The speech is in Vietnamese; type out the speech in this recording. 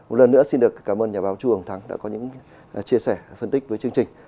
một lần nữa xin được cảm ơn nhà báo chuồng thắng đã có những chia sẻ phân tích với chương trình